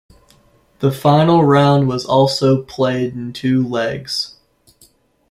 The final round was also played in two legs.